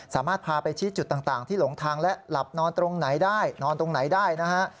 สามารถพาไปชี้จุดต่างที่หลงทางและหลับนอนตรงไหนได้